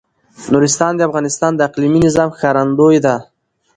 نورستان د افغانستان د اقلیمي نظام ښکارندوی ده.